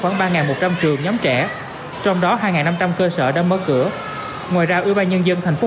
khoảng ba một trăm linh trường nhóm trẻ trong đó hai năm trăm linh cơ sở đã mở cửa ngoài ra ủy ban nhân dân thành phố